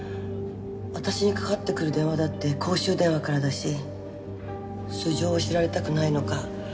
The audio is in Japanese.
私にかかってくる電話だって公衆電話からだし素性を知られたくないのか